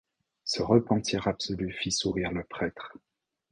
Ce repentir absolu fit sourire le prêtre.